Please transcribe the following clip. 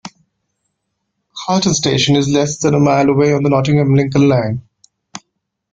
Carlton station is less than a mile away on the Nottingham - Lincoln line.